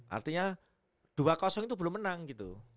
artinya dua itu belum menang gitu